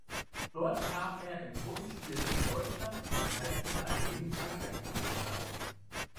Dort kam er im Gruppenspiel gegen Deutschland und im Halbfinale gegen Frankreich zum Einsatz.